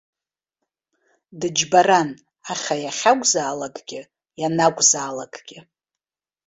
Дыџьбаран, аха иахьакәзаалакгьы ианакәзаалакгьы.